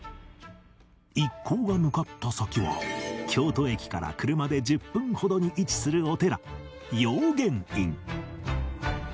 一行が向かった先は京都駅から車で１０分ほどに位置するお寺養源院